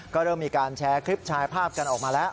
ก็เริ่มมีการแชร์คลิปแชร์ภาพกันออกมาแล้ว